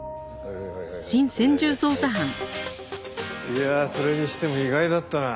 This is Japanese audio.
いやあそれにしても意外だったな。